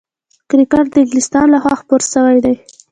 کرکټ د انګلستان له خوا خپور سوی دئ.